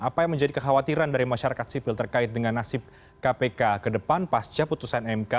apa yang menjadi kekhawatiran dari masyarakat sipil terkait dengan nasib kpk ke depan pasca putusan mk